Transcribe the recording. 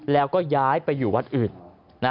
แล้วก็ย้ายไปอยู่วัดอื่น